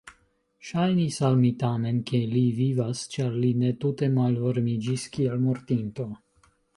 Ŝajnis al mi tamen, ke li vivas, ĉar li ne tute malvarmiĝis kiel mortinto.